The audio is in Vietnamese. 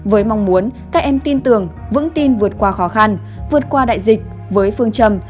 với mong muốn các em tin tưởng vững tin vượt qua khó khăn vượt qua đại dịch với phương trầm